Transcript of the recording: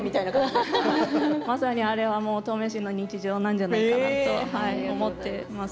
まさにあれは登米市の日常なんじゃないかなと思っています。